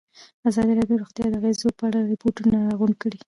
ازادي راډیو د روغتیا د اغېزو په اړه ریپوټونه راغونډ کړي.